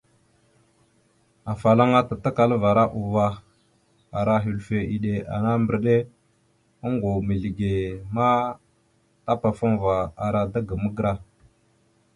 Afalaŋana tatakalavara uvah a ara hœləfe iɗena mbəriɗe ongov mizləge ma tapafaŋva ara daga magəra.